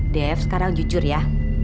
dev sekarang jujur ya